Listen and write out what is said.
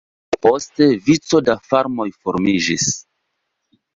Poste vico da farmoj formiĝis.